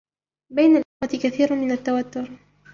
بين الإخوة كثير من التوتر.